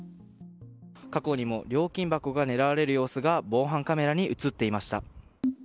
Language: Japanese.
過去にも料金箱が狙われる様子が防犯カメラに映っていました。